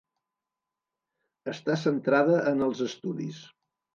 Està centrada en els estudis.